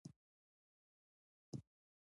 باسواده ښځې د سوداګریزو شرکتونو مشري کوي.